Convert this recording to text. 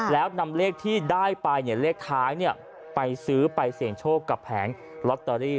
แล้วนำเลขที่ได้ไปเลขท้ายไปซื้อไปเสี่ยงโชคกับแผงลอตเตอรี่